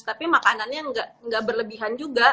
tapi makanannya nggak berlebihan juga